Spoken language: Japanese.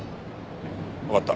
わかった。